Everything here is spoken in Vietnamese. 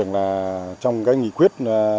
là trong cái nghị quyết